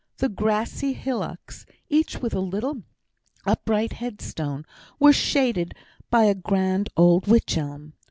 The grassy hillocks, each with a little upright headstone, were shaded by a grand old wych elm.